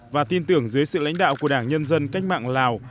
và tin tưởng dưới sự lãnh đạo của đảng nhân dân cách mạng lào